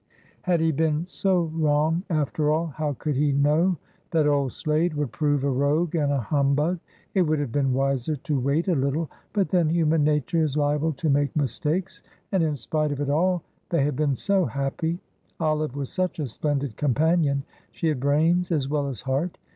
Had he been so wrong after all. How could he know that old Slade would prove a rogue and a humbug; it would have been wiser to wait a little, but then human nature is liable to make mistakes, and in spite of it all, they had been so happy. Olive was such a splendid companion, she had brains as well as heart.